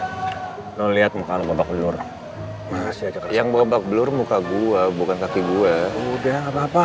hai lo lihat muka lo babak belur yang babak belur muka gua bukan kaki gua udah apa apa